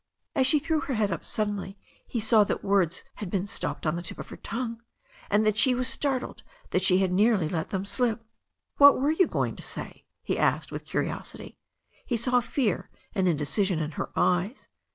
As she threw her head up suddenly he saw that words had been stopped on the tip of her tongue, and that she was startled that she had nearly let them slip. "Whal were you going to say?" he asked with curiosity. He saw fear and indecision in her eyes.